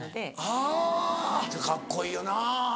はぁカッコいいよな。